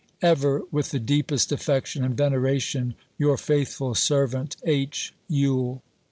Ever, with the deepest affection and veneration, your faithful servant, H. Yule."